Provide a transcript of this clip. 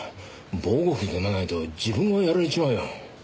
防護服でもないと自分がやられちまうよ。